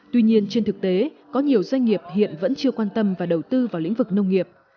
tuy nhiên trên thực tế có nhiều doanh nghiệp hiện vẫn chưa quan tâm và đầu tư vào lĩnh vực nông nghiệp